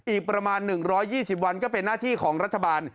อีกประมาณ๑๒๐วันก็เป็นหน้าที่ของรัฐบาล